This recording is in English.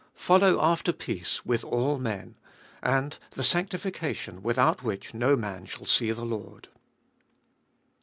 Follow after peace with all men, and the sanctlflcation without which no man shall see the Lord.